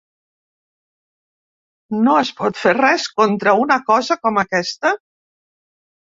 No es pot fer res contra una cosa com aquesta?